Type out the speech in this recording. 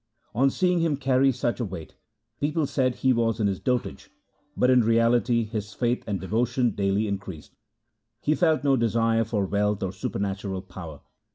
On seeing him carry such a weight people said he was in his dotage, but in reality his faith and devotion daily increased. He felt no desire for wealth or supernatural power.